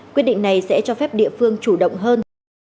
quyết định này sẽ cho phép địa phương chủ động hơn